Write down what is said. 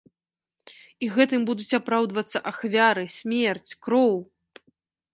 І гэтым будуць апраўдвацца ахвяры, смерць, кроў!